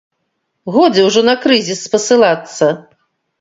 Годзе ўжо на крызіс спасылацца.